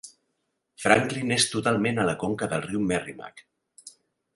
Franklin és totalment a la conca del riu Merrimack.